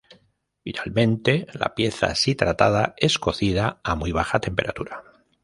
Finalmente, la pieza así tratada es cocida a muy baja temperatura.